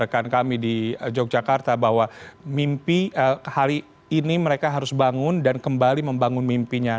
rekan kami di yogyakarta bahwa mimpi hari ini mereka harus bangun dan kembali membangun mimpinya